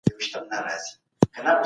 د ماشوم د ملا سم ملاتړ مهم دی.